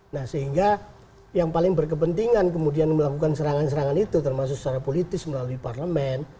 nah sehingga yang paling berkepentingan kemudian melakukan serangan serangan itu termasuk secara politis melalui parlemen